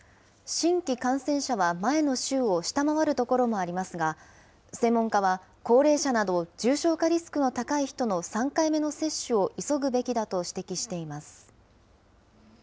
新規感染者は前の週を下回る所もありますが、専門家は、高齢者など重症化リスクの高い人の３回目の接種を急ぐべきだと指摘しています。